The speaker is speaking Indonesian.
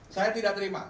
saya tidak terima